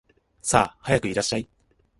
さあ、早くいらっしゃい